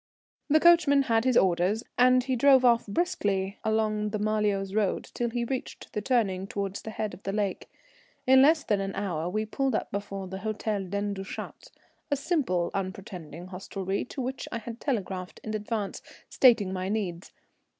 The coachman had his orders, and he drove off briskly along the Marlioz road till he reached the turning towards the head of the lake. In less than an hour we pulled up before the Hôtel Dent du Chat, a simple, unpretending hostelry, to which I had telegraphed in advance, stating my needs.